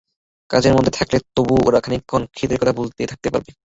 কাজের মধ্যে থাকলে তবু ওরা খানিকক্ষণ খিদের কথাটা ভুলে থাকতে পারবে।